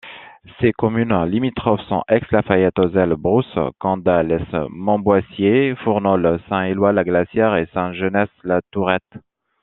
Ses communes limitrophes sont Aix-la-Fayette, Auzelles, Brousse, Condat-lès-Montboissier, Fournols, Saint-Éloy-la-Glacière et Saint-Genès-la-Tourette.